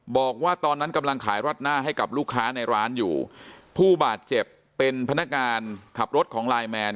บอกว่าตอนนั้นกำลังขายรัดหน้าให้กับลูกค้าในร้านอยู่ผู้บาดเจ็บเป็นพนักงานขับรถของไลน์แมน